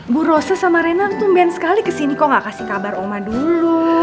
bu rosa sama reina tuh main sekali kesini kok gak kasih kabar oma dulu